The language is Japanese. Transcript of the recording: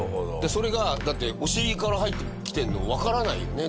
それがだってお尻から入ってきてるのわからないよね